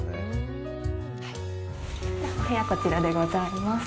お部屋、こちらでございます。